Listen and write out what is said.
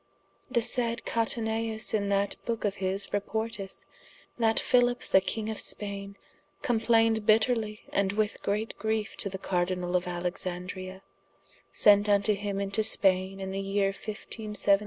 The saide Cataneus in that booke of his reporteth, that Philip the king of Spaine complained bitterly and with great griefe to the Cardinall of Alexandria, sent vnto him into Spaine in the yeere 1572.